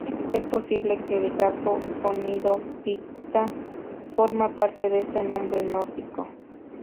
Es posible que el "gato" sonido picta forma parte de este nombre nórdico.